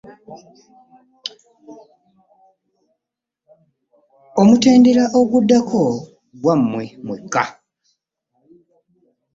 Omutendera oguddako gwammwe mwekka.